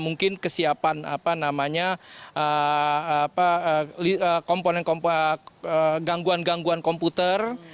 mungkin kesiapan apa namanya komponen gangguan gangguan komputer